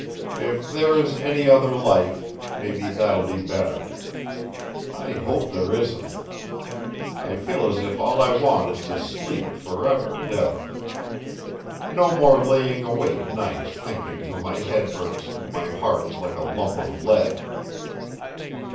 If there is any other life maybe that'll be better. I hope there isn't. I feel as if all I want is to sleep forever and ever. No more laying awake nights thinking till my head hurts and my heart is like a lump of lead.